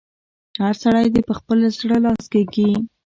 هر سړی دې پر خپل زړه لاس کېږي.